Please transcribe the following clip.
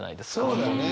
そうだよね。